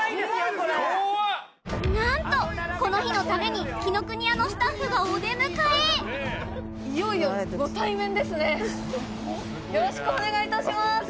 これ何とこの日のために紀ノ国屋のスタッフがよろしくお願いいたしますあっ